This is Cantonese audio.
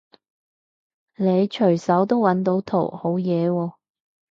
你隨手都搵到圖好嘢喎